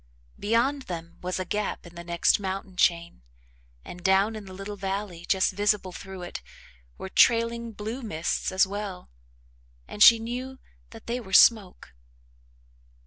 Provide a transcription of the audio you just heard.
Beyond them was a gap in the next mountain chain and down in the little valley, just visible through it, were trailing blue mists as well, and she knew that they were smoke.